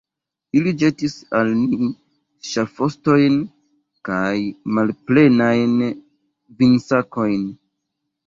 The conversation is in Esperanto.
Ili ĵetis al ni ŝafostojn kaj malplenajn vinsakojn.